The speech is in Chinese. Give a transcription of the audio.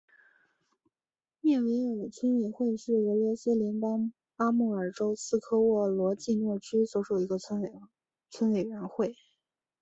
涅韦尔村委员会是俄罗斯联邦阿穆尔州斯科沃罗季诺区所属的一个村委员会。